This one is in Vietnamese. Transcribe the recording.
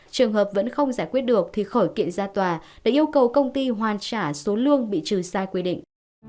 trường hợp vẫn không giải quyết được thì khởi kiện ra tòa để yêu cầu công ty hoàn trả số lương bị trừ sai quy định